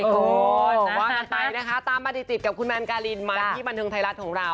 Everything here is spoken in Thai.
จะว่ากันไปนะคะตามมาติดกับคุณแมนการินมาที่บันเทิงไทยรัฐของเรา